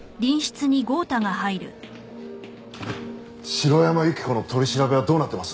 城山由希子の取り調べはどうなってます？